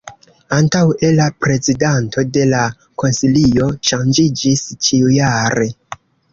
Antaŭe, la prezidanto de la Konsilio ŝanĝiĝis ĉiujare.